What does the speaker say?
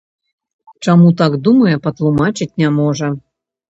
Чаму так думае, патлумачыць не можа.